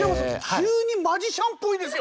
急にマジシャンっぽいですよ。